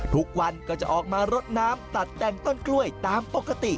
ทุกวันก็จะออกมารดน้ำตัดแต่งต้นกล้วยตามปกติ